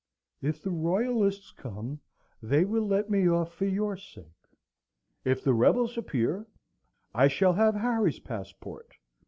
If the Royalists come, they will let me off for your sake; if the rebels appear, I shall have Harry's passport.